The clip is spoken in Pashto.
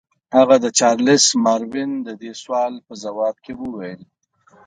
هغه د چارلس ماروین د دې سوال په ځواب کې وویل.